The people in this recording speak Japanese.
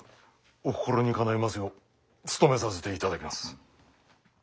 お心にかないますよう務めさせていただきます。